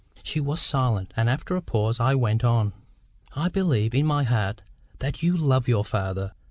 She was silent; and, after a pause, I went on. "I believe, in my heart, that you love your father.